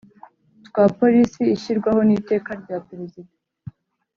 twa Polisi ishyirwaho n Iteka rya Perezida